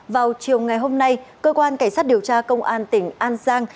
vào chiều ngày hôm nay cơ quan cảnh sát điều tra công an tỉnh an giang